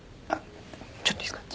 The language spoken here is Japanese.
ちょっといいですか？